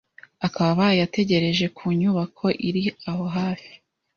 akaba abaye ategereje ku nyubako iri aho hafi.